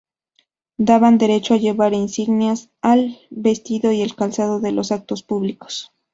Daban derecho a llevar insignias, el vestido y el calzado en los actos públicos.